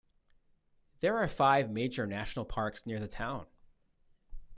There are five major national parks near the town.